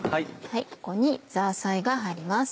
ここにザーサイが入ります。